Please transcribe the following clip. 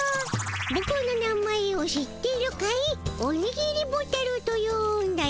「ぼくの名前を知ってるかい」「おにぎりボタルというんだよ」